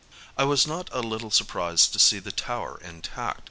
I was not a little surprised to see the Tower intact.